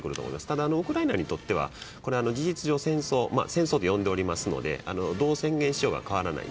ただウクライナにとっては事実上、戦争と呼んでおりますのでどう宣言しようか変わらない。